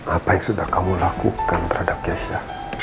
apa yang sudah kamu lakukan terhadap yesha